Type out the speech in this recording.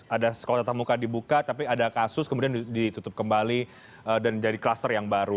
ada sekolah tatap muka dibuka tapi ada kasus kemudian ditutup kembali dan jadi kluster yang baru